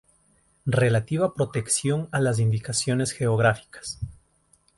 Relativa protección a las indicaciones geográficas.